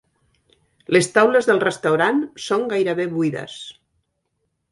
Les taules del restaurant són gairebé buides.